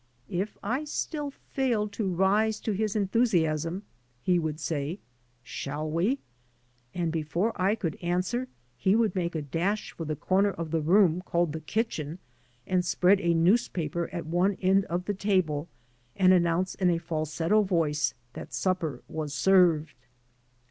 '' K I still failed to rise to his enthusiasm, he would say " Shall we? and before I could answer he would make a d£^sh for the comer of the room caDed the kitchen, and.spread a newspaper at one end of the table, and announce in a falsetto voice that supper was served.